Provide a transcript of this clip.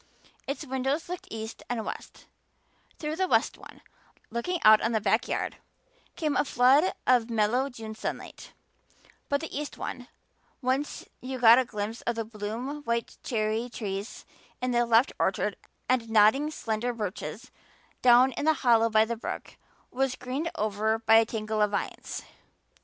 Its windows looked east and west; through the west one, looking out on the back yard, came a flood of mellow June sunlight; but the east one, whence you got a glimpse of the bloom white cherry trees in the left orchard and nodding, slender birches down in the hollow by the brook, was greened over by a tangle of vines.